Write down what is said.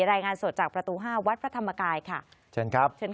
รายงานสดจากประตูห้าวัดพระธรรมกายค่ะเชิญครับเชิญค่ะ